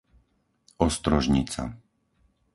Ostrožnica